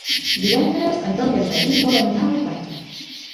Divendres en Roc i en Garbí volen anar a la platja.